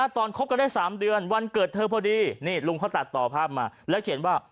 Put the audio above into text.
คบกันได้๓เดือนวันเกิดเธอพอดีนี่ลุงเขาตัดต่อภาพมาแล้วเขียนว่า